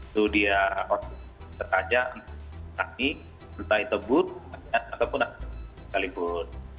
itu dia terkaja kami mentai tebut makinan apapun apapun